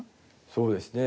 そうですね。